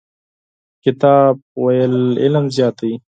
کتاب لوستل علم زیاتوي.